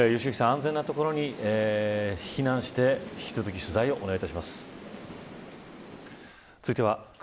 安全な所に避難して引き続き取材をお願いします。